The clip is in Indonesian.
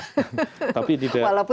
walaupun tidak terlalu